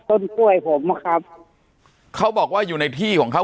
ต้นกล้วยผมนะครับเขาบอกว่าอยู่ในที่ของเขา